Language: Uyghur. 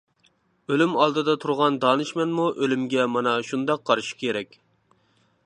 ئۆلۈم ئالدىدا تۇرغان دانىشمەنمۇ ئۆلۈمگە مانا شۇنداق قارىشى كېرەك.